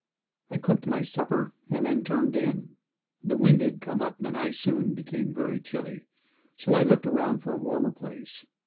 I cooked my supper and then turned in. The wind had come up and I soon became very chilly, so I looked around for a warmer place.